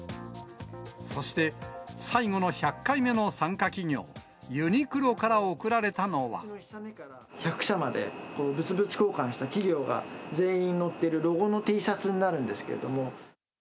そして、最後の１００回目の参加企業、１００社まで、物々交換した企業が全員載ってるロゴのＴシャツになるんですけども。